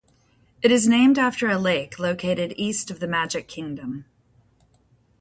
It is named after a lake located east of the Magic Kingdom.